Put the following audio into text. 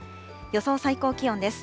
予想最高気温です。